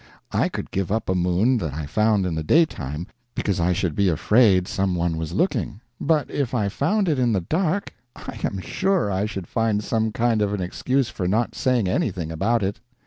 I could give up a moon that I found in the daytime, because I should be afraid some one was looking; but if I found it in the dark, I am sure I should find some kind of an excuse for not saying anything about it.